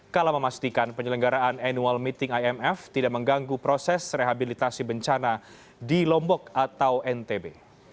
kala memastikan penyelenggaraan annual meeting imf tidak mengganggu proses rehabilitasi bencana di lombok atau ntb